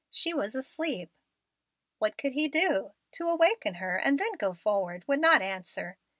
She was asleep! What could he do? To awaken her, and then go forward, would not answer.